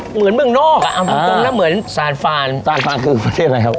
เหมือนเมืองนอกเอาตรงแล้วเหมือนสารฟานสารฟานคือประเทศอะไรครับ